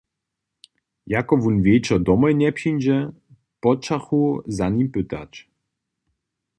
Jako wón wječor domoj njepřińdźe, počachu za nim pytać.